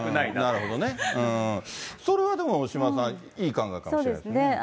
なるほどね、それは島田さん、いい考えかもしれないですね。